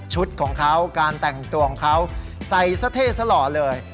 ของเขาการแต่งตัวของเขาใส่ซะเท่ซะหล่อเลย